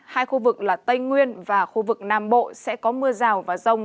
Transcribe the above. hai khu vực là tây nguyên và khu vực nam bộ sẽ có mưa rào và rông